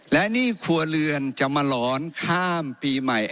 และหนี้ครัวเรือนจะมาหลอนข้ามปีใหม่